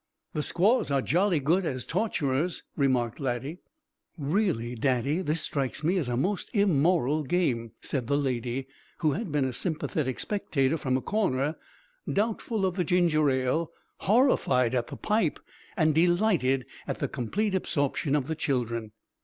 "The squaws are jolly good as torturers," remarked Laddie. "Really, Daddy, this strikes me as a most immoral game," said the Lady, who had been a sympathetic spectator from a corner, doubtful of the ginger ale, horrified at the pipe, and delighted at the complete absorption of the children.